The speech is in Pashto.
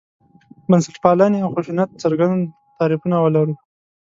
بنسټپالنې او خشونت څرګند تعریفونه ولرو.